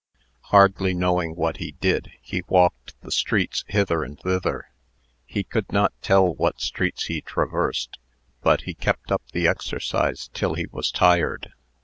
Hardly knowing what he did, he walked the streets hither and thither. He could not tell what streets he traversed, but he kept up the exercise till he was tired.